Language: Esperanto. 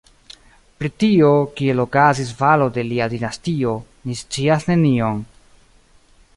Pri tio, kiel okazis falo de lia dinastio, ni scias nenion.